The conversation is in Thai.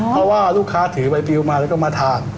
เพราะว่าลูกค้าถือใบบิวมาแล้วก็มาทาน